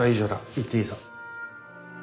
行っていいぞ。